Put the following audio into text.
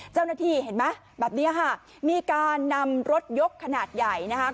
เจ้าหน้าที่เห็นไหมแบบนี้ค่ะมีการนำรถยกขนาดใหญ่นะคะ